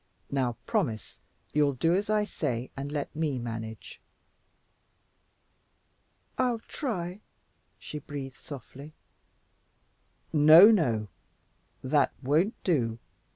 Now, promise you'll do as I say and let me manage." "I'll try," she breathed softly. "No, no! That won't do.